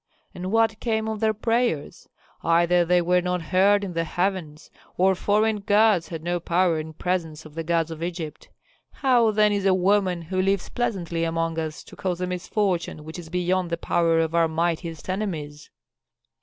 And what came of their prayers? Either they were not heard in the heavens, or foreign gods had no power in presence of the gods of Egypt. How then is a woman who lives pleasantly among us to cause a misfortune which is beyond the power of our mightiest enemies?"